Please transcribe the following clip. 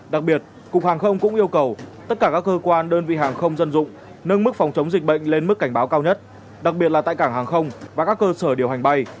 đặc biệt cục hàng không cũng yêu cầu tất cả các cơ quan đơn vị hàng không dân dụng nâng mức phòng chống dịch bệnh lên mức cảnh báo cao nhất đặc biệt là tại cảng hàng không và các cơ sở điều hành bay